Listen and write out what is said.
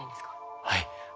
はい。